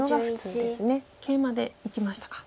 ケイマでいきましたか。